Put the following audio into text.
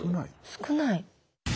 少ない？